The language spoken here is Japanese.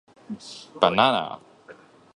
Banana